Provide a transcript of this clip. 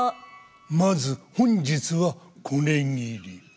まず本日はこれぎり。